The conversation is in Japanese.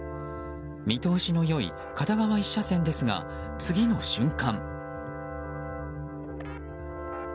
見通しの良い片側１車線ですが次の瞬間。